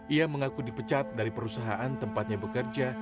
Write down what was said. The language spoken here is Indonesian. ia mengaku dipecat dari perusahaan tempatnya bekerja